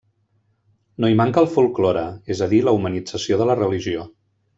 No hi manca el folklore, és a dir, la humanització de la religió.